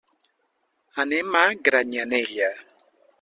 Anem a Granyanella.